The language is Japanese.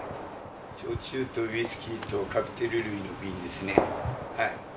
焼酎とウイスキーとカクテル類の瓶ですね。